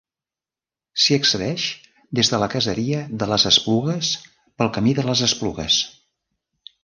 S'hi accedeix des de la caseria de les Esplugues pel Camí de les Esplugues.